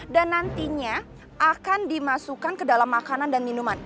dan nantinya akan dimasukkan ke dalam makanan dan minuman